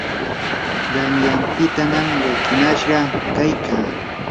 qanyanpitanam llakinashqa kaykaa.